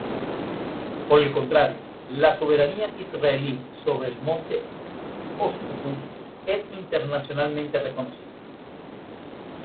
Por el contrario, la soberanía israelí sobre el Monte Scopus es internacionalmente reconocida.